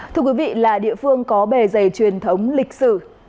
thưa quý vị là địa phương có bề dày truyền thống lịch sử